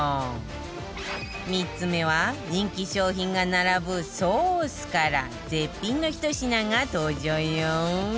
３つ目は人気商品が並ぶソースから絶品のひと品が登場よ